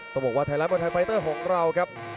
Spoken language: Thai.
บอกว่าไทยรัฐมวยไทยไฟเตอร์ของเราครับ